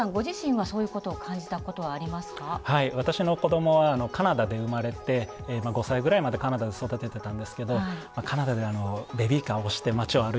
私の子どもはカナダで生まれて５歳ぐらいまでカナダで育ててたんですけどカナダではベビーカー押して街を歩いてるとですね